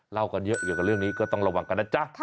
เล่ากันเยอะเกี่ยวกับเรื่องนี้ก็ต้องระวังกันนะจ๊ะ